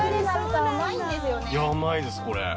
甘いですこれ。